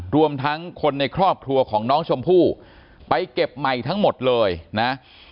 รวมทั้งคนในครอบครัวของน้องชมพู่ไปเก็บใหม่ทั้งหมดเลยนะ